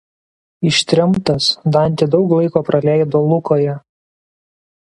Ištremtas Dantė daug laiko praleido Lukoje.